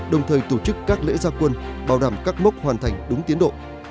đồng thời tổ chức các lễ gia quân bảo đảm các mốc hoàn thành đúng tiến độ